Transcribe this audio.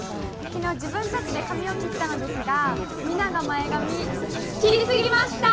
昨日、自分たちで髪を切ったのですが、みなが前髪、切りすぎました。